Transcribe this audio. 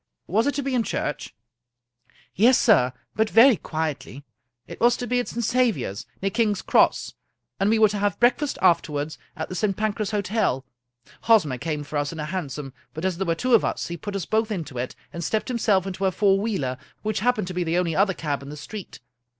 Was it to be in church ?"" Yes, sir, but very quietly. It was to be at St. Saviour's, 49 Scotch Mystery Stories near King's Cross, and we were to have breakfast after wards at the St. Pancras Hotel. Hosmer came for us in a hansom, but as there were two of us, he put us both into it, and stepped himself into a four wheeler, which hap pened to be the only other cab in the street.